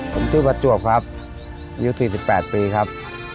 ผมชื่อประจวบครับอายุ๔๘ปีครับ